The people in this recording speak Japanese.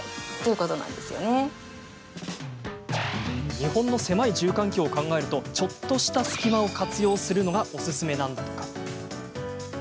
日本の狭い住環境を考えるとちょっとした隙間を活用するのがおすすめなんだとか。